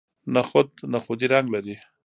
نخود نخودي رنګ لري.